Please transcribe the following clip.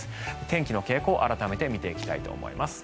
天気の傾向改めて見ていきたいと思います。